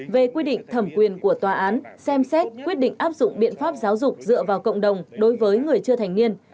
về quy định thẩm quyền của tòa án xem xét quyết định áp dụng biện pháp giáo dục dựa vào cộng đồng đối với người chưa thành niên